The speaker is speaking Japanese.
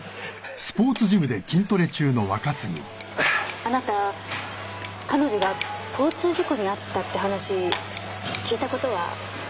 あなた彼女が交通事故に遭ったって話聞いたことは？